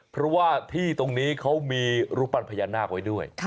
เพราะว่าที่ตรงนี้เขามีรูปปั้นพญานาคไว้ด้วย